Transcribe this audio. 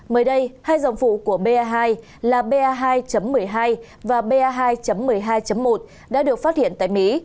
mới đây hai dòng vụ của ba hai là ba hai một mươi hai và ba hai một mươi hai một đã được phát hiện tại mỹ